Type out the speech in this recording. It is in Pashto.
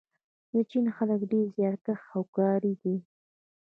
د چین خلک ډېر زیارکښ او کاري دي.